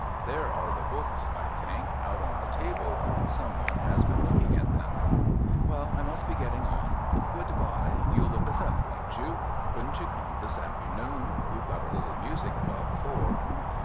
There are the books, I think: out on the table. Some one has been looking at them. Well, I must be getting on. Good bye, you'll look us up, won't you? Couldn't you come this afternoon? we've got a little music about four.